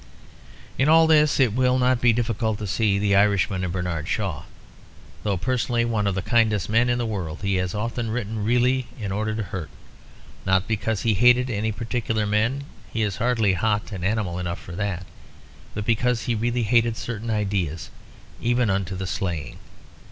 In all this it will not be difficult to see the Irishman in Bernard Shaw. Though personally one of the kindest men in the world, he has often written really in order to hurt; not because he hated any particular men (he is hardly hot and animal enough for that), but because he really hated certain ideas even unto slaying.